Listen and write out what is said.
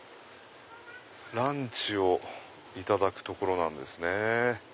ランチをいただく所なんですね。